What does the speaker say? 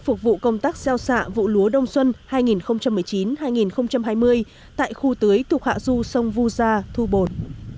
phục vụ công tác xeo xạ vụ lúa đông xuân hai nghìn một mươi chín hai nghìn hai mươi tại khu tưới thuộc hạ du sông vu gia thu bồn